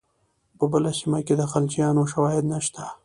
په بله سیمه کې د خلجیانو شواهد نشته.